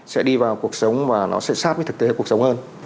sẽ đi vào cuộc sống và nó sẽ sát với thực tế cuộc sống hơn